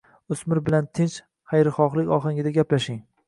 O‘smir bilan tinch, hayrixohlik ohangida gaplashing.